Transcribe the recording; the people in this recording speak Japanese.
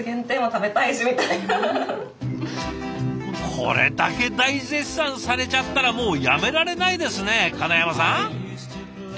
これだけ大絶賛されちゃったらもうやめられないですね金山さん？